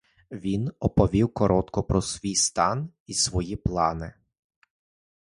Він оповів коротко про свій стан і свої плани.